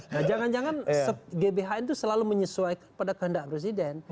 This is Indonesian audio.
nah jangan jangan gbhn itu selalu menyesuaikan pada kehendak presiden